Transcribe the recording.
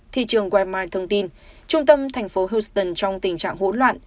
thị trường waympi thông tin trung tâm thành phố houston trong tình trạng hỗn loạn